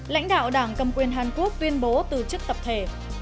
lãnh đạo đảng cầm quyền hàn quốc tuyên bố từ chức tập thể